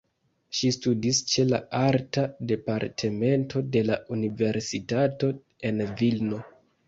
Ŝi studis ĉe la Arta Departemento de la Universitato en Vilno.